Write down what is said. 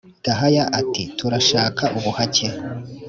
Gahaya ati: "Turashaka ubuhake"